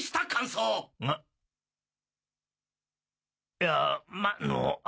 いやまあ